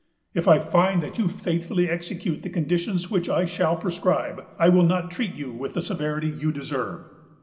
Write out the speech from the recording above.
If I find that you faithfully execute the conditions which I shall prescribe, I will not treat you with the severity you deserve.